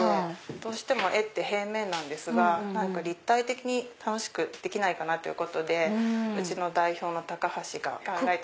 どうしても絵って平面なんですが立体的に楽しくできないかなということでうちの代表の高橋が考えた。